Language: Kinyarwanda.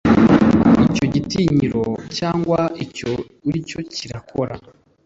icyo gitinyiro cyangwa icyo uricyo kirakora